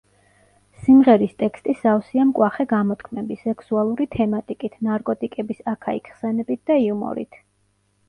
სიმღერის ტექსტი სავსეა მკვახე გამოთქმები, სექსუალური თემატიკით, ნარკოტიკების აქა-იქ ხსენებით და იუმორით.